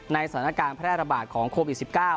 สถานการณ์แพร่ระบาดของโควิด๑๙